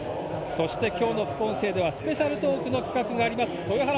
そして今日の副音声ではスペシャルトークの企画があります。